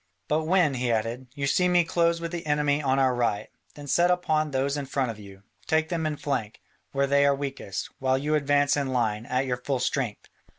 "But when," he added, "you see me close with the enemy on our right, then set upon those in front of you: take them in flank, where they are weakest, while you advance in line, at your full strength.